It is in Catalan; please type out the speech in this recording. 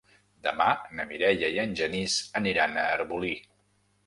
Demà na Mireia i en Genís aniran a Arbolí.